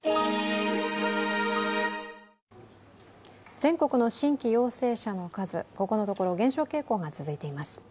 全国の新規陽性者の数、ここのところ減少傾向が続いています。